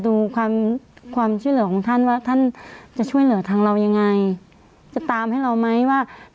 ทางกระทรวงศึกษาจะช่วยเรายังไงอ่ะ